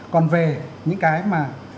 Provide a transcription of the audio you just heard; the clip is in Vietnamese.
còn về những cái mà